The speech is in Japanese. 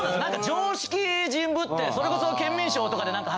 常識人ぶってそれこそ。